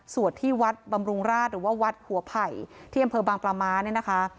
ที่วัดบำรุงราชหรือว่าวัดหัวไผ่ที่อำเภอบางปลาม้าเนี่ยนะคะ